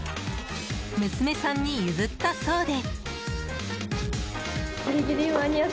娘さんに譲ったそうで。